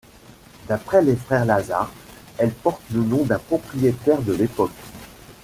D'après les frères Lazare, elle porte le nom d'un propriétaire de l'époque.